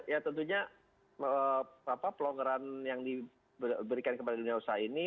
ya tentunya pelonggaran yang diberikan kepada dunia usaha ini